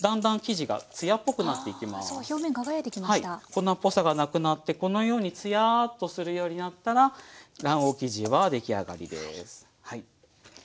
粉っぽさがなくなってこのようにツヤーッとするようになったら卵黄生地は出来上がりです。